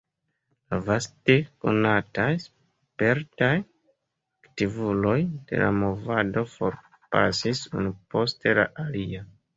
La vaste konataj, spertaj aktivuloj de la movado forpasis unu post la alia.